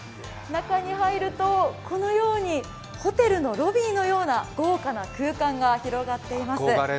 中に入ると、このようにホテルのロビーのような豪華な空間が広がっています。